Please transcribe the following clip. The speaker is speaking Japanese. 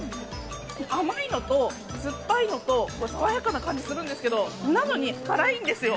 甘いのと酸っぱいのと、爽やかな感じがするんですけれども、なのに辛いんですよ。